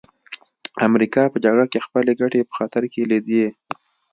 امریکا په جګړه کې خپلې ګټې په خطر کې لیدې